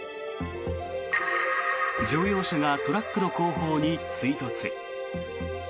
乗用車がトラックの後方に追突。